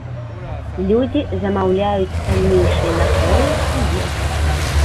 Людзі замаўляюць таннейшыя напоі і ежу.